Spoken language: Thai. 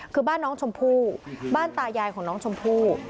คือบ้านน้องชมพู่บ้านตายายของน้องชมพู่